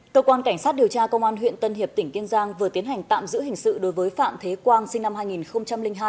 cơ quan cảnh sát điều tra công an huyện tân hiệp tỉnh kiên giang vừa tiến hành tạm giữ hình sự đối với phạm thế quang sinh năm hai nghìn hai